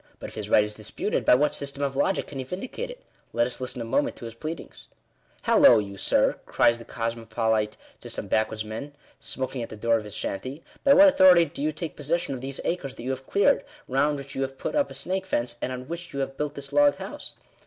But if his right is disputed, by what system of logic can he vindicate it? Let us listen a moment to his pleadings. Digitized by VjOOQIC THE RIGHT TO THE USE OF THE EARTH. 117 " Hallo, you Sir," cries the cosmopolite to some backwoods man, smoking at the door of bis shanty, " by what authority do you take possession of these acres that you have cleared ; round which you have put up a snake fence, and on which you have built this log house